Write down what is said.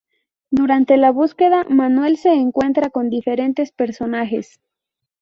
Durante la búsqueda, Manuel se encuentra con diferentes personajes.